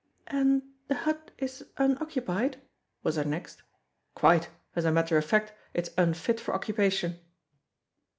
"And the hut is unoccupied?" was her next. "Quite; as a matter of fact, it's unfit for occupation."